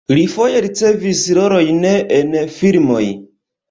Li foje ricevis rolojn en filmoj.